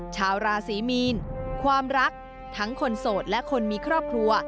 ชาวราศีมีนความรักทั้งคนโสดและคนมีครอบครัว